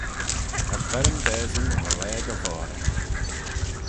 As ver-ym dasyn rollage y voghrey.